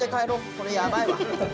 これやばいわ。